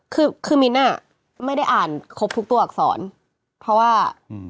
คือคือมิ้นท์อ่ะไม่ได้อ่านครบทุกตัวอักษรเพราะว่าอืม